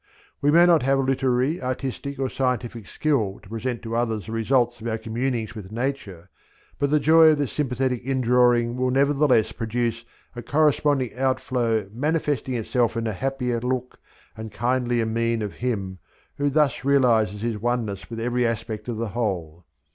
We may not have literary, artistic, or scientific skill to present to others the results of our communings with Nature, but the joy of this sympathetic indrawing will nevertheless produce a corresponding outflow manifesting itself in the happier look and kindlier mien of him who thus realizes his oneness with every aspect of the whole.